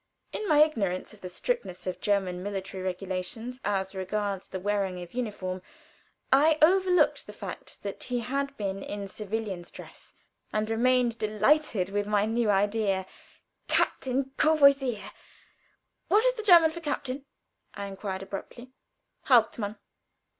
In my ignorance of the strictness of German military regulations as regards the wearing of uniform, I overlooked the fact that he had been in civilian's dress, and remained delighted with my new idea; Captain Courvoisier. "What is the German for captain?" I inquired, abruptly. "_Hauptmann.